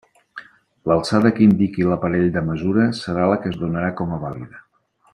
L'alçada que indiqui l'aparell de mesura serà la que es donarà com a vàlida.